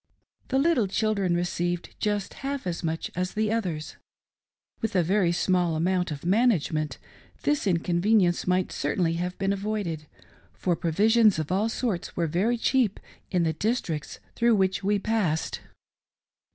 The little children received just half as much as the others. With a very small amount of management this inconvenience might certainly have been avoided, for provisions of all sorts were "very cheap in the districts through which we passed.